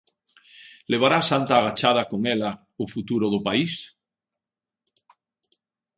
Levará Santa agachada con ela o futuro do país?